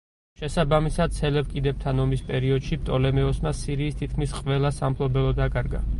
შესაბამისად, სელევკიდებთან ომის პერიოდში პტოლემეოსმა სირიის თითქმის ყველა სამფლობელო დაკარგა.